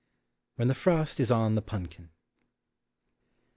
WHEN THE FROST IS ON THE PUNKIN.